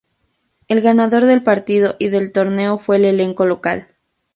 El ganador del partido y del torneo fue el elenco local.